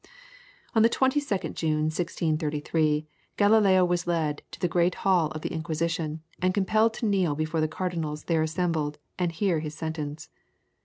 On the 22nd June, 1633, Galileo was led to the great hall of the Inquisition, and compelled to kneel before the cardinals there assembled and hear his sentence.